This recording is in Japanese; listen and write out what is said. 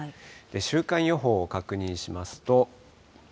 週間予報を確認しますと。